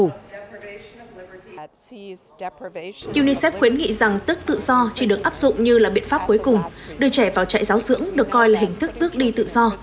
unicef khuyến nghị rằng tức tự do chỉ được áp dụng như là biện pháp cuối cùng đưa trẻ vào trại giáo dưỡng được coi là hình thức tức đi tự do